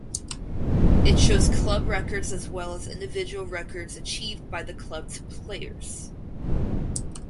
It shows club records as well as individual records achieved by the clubs players.